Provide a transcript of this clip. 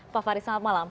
pak farid selamat malam